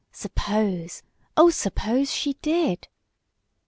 Suppose, oh, suppose she did!